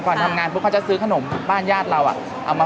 ทำงานปุ๊บเขาจะซื้อขนมบ้านญาติเราเอามา